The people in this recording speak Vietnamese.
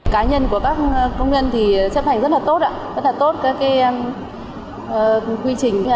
cá nhân của các công nhân thì chấp hành rất là tốt rất là tốt các quy trình